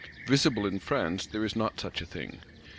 Visible in France there is not such a thing.